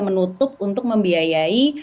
menutup untuk membiayai